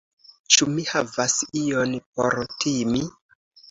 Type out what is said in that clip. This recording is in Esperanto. Ĉu mi havas ion por timi?